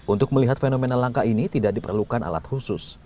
untuk melihat fenomena langka ini tidak diperlukan alat khusus